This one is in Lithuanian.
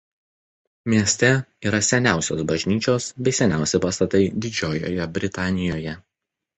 Mieste yra seniausios bažnyčios bei seniausi pastatai Didžiojoje Britanijoje.